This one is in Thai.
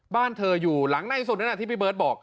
บ้านเธออยู่หลังในสุดนั้นที่พี่เบิร์ตบอก